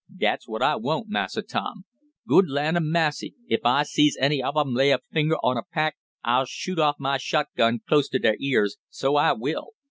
"Dat's what I won't, Massa Tom. Good land a massy! ef I sees any ob 'em lay a finger on a pack I'll shoot off my shotgun close to der ears, so I will.